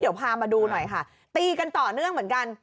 เดี๋ยวพามาดูหน่อยค่ะตีกันต่อเนื่องเหมือนกัน